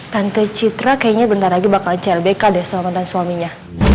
tante citra kayaknya bentar lagi bakal clbk deh sama mantan suaminya